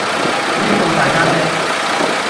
呢個大家姐